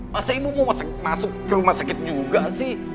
masa ibu mau masuk ke rumah sakit juga sih